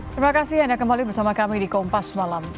terima kasih anda kembali bersama kami di kompas malam